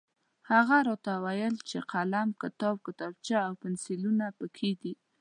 هغه راته وویل چې قلم، کتاب، کتابچه او پنسلونه پکې دي.